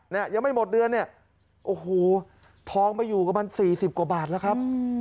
เนี่ยยังไม่หมดเดือนเนี่ยโอ้โหทองมาอยู่กับมันสี่สิบกว่าบาทแล้วครับ